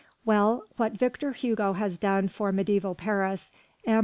Well, what Victor Hugo has done for mediæval Paris, M.